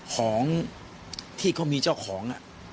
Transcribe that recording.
ของที่เขามีเจ้าของ